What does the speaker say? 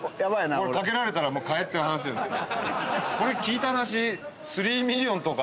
これ掛けられたら買えって話ですよ。